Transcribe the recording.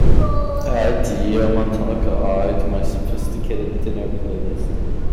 add Yamataka Eye to my sophisticated dinner playlist